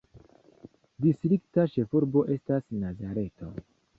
Distrikta ĉefurbo estas Nazareto.